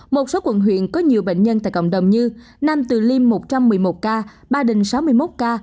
một số quận huyện có nhiều bệnh nhân tại cộng đồng như nam từ liêm một trăm một mươi một ca ba đình sáu mươi một ca